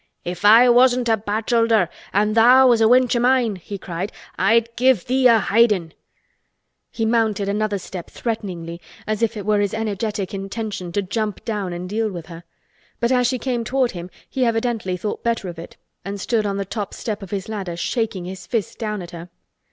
"If I wasn't a bachelder, an' tha' was a wench o' mine," he cried, "I'd give thee a hidin'!" He mounted another step threateningly as if it were his energetic intention to jump down and deal with her; but as she came toward him he evidently thought better of it and stood on the top step of his ladder shaking his fist down at her.